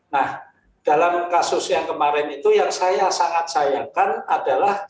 nah dalam kasus yang kemarin itu yang saya sangat sayangkan adalah